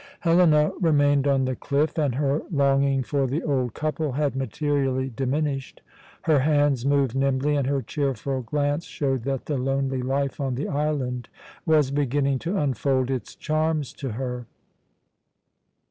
Helena remained on the cliff, and her longing for the old couple had materially diminished. Her hands moved nimbly, and her cheerful glance showed that the lonely life on the island was beginning to unfold its charms to her.